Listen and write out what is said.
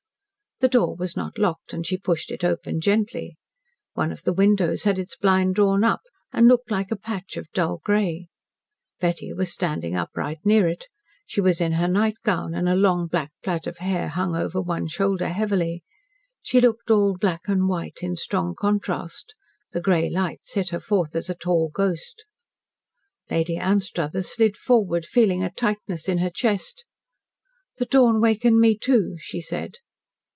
The door was not locked, and she pushed it open gently. One of the windows had its blind drawn up, and looked like a patch of dull grey. Betty was standing upright near it. She was in her night gown, and a long black plait of hair hung over one shoulder heavily. She looked all black and white in strong contrast. The grey light set her forth as a tall ghost. Lady Anstruthers slid forward, feeling a tightness in her chest. "The dawn wakened me too," she said.